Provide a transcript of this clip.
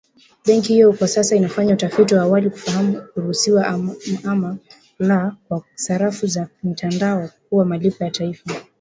Benki hiyo kwa sasa inafanya utafiti wa awali kufahamu kuruhusiwa ama la kwa sarafu za kimtandao kuwa malipo ya taifa.